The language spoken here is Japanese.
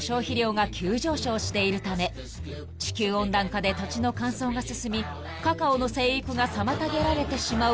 ［地球温暖化で土地の乾燥が進みカカオの生育が妨げられてしまうと］